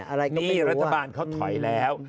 อะไรก็ไม่รู้ว่านี่รัฐบาลเขาถอยแล้ว